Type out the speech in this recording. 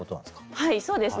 はいそうですね。